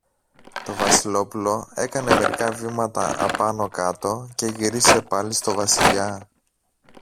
Το Βασιλόπουλο έκανε μερικά βήματα απάνω-κάτω και γύρισε πάλι στο Βασιλιά.